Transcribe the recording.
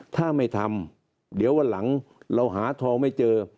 ถ้าไม่ทำเดี๋ยววันหลังเราหาทองไม่เจอ